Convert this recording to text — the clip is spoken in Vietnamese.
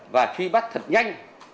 và truy bắt thật nhanh